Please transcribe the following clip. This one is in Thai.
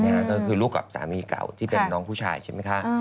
ก็คือลูกกับสามีเก่าที่เป็นน้องผู้ชายใช่ไหมคะ